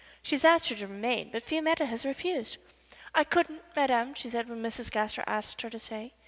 She has asked her to remain, but Fiametta has refused. 'I couldn't, madam,' she said when Mrs. Gaster asked her to stay.